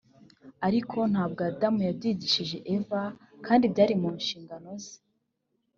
ariko ntabwo Adamu yabyigishije Eva kandi byari mu nshingano ze